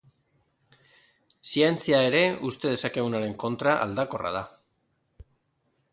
Zientzia ere, uste dezakegunaren kontra, aldakorra da.